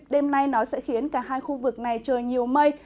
đêm nay nó sẽ khiến cả hai khu vực này trời nhiều mây